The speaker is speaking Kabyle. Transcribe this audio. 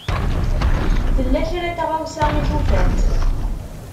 Tella kra n tɣawsa i tufamt?